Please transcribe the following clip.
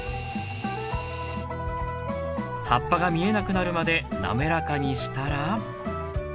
葉っぱが見えなくなるまで滑らかにしたら？